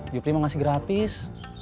jupri mau kasih gratis